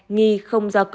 nghi không do cơ cơ